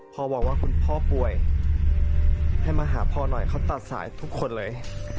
บอกว่าคุณพ่อป่วยให้มาหาพ่อหน่อยเขาตัดสายทุกคนเลย